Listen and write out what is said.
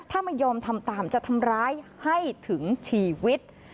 ถ้าไม่ยอมทำตามจะทำร้ายให้ถึงชีวิต